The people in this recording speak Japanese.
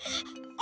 あ！